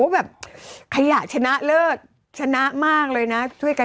แบบขยะชนะเลิกชนะมากเลยนะ